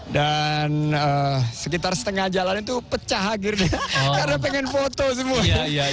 dan sekitar setengah jalan itu pecah akhirnya karena pengen foto semua